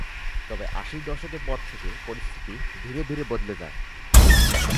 তবে আশির দশকের পর থেকে পরিস্থিতি ধীরে ধীরে বদলে যায়।